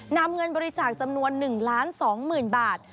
นำเงินบริจาคจำนวน๑ล้าน๒หมื่นบาท